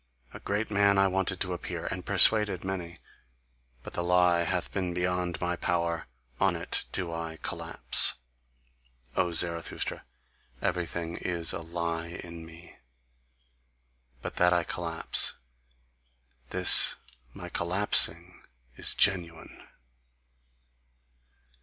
A great man I wanted to appear, and persuaded many; but the lie hath been beyond my power. On it do I collapse. O Zarathustra, everything is a lie in me; but that I collapse this my collapsing is GENUINE!"